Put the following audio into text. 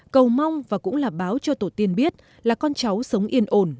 cầu mong và cũng là báo cho tổ tiên biết là con cháu sống yên ổn